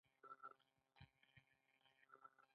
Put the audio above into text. پېسې د نېک عملونو لپاره وکاروه، نه د فخر لپاره.